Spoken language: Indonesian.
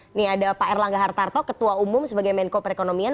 ini ada pak erlangga hartarto ketua umum sebagai menko perekonomian